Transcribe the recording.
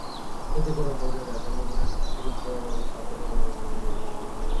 এতে করে বোঝা যায়, জনগণের শক্তির ওপর তাদের কোনো আস্থা নেই।